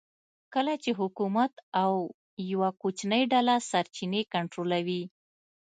کله چې حکومت او یوه کوچنۍ ډله سرچینې کنټرولوي